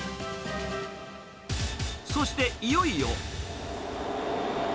そしていよいよ。